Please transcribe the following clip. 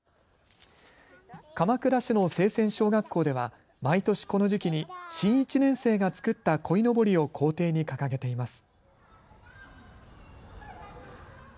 鎌倉市の清泉小学校では毎年この時期に新１年生が作ったこいのぼりを校庭に掲げています。